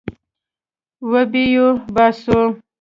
وبې يې باسو.